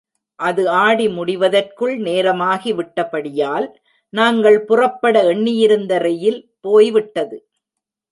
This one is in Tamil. அது ஆடி முடிவதற்குள் நேரமாகி விட்டபடியால், நாங்கள் புறப்பட எண்ணியிருந்த ரெயில் போய்விட்டது.